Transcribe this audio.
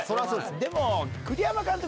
でも栗山監督